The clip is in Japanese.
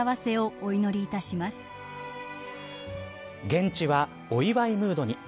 現地はお祝いムードに。